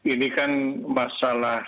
ini kan masalah